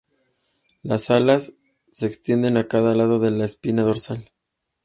Las "alas" se extienden a cada lado de la espina dorsal.